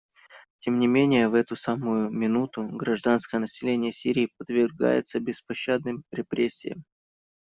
Тем не менее в эту самую минуту гражданское население Сирии подвергается беспощадным репрессиям.